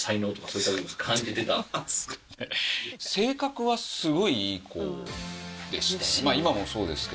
性格はすごいいい子でしたよね